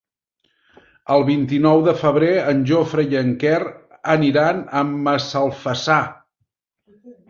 El vint-i-nou de febrer en Jofre i en Quer aniran a Massalfassar.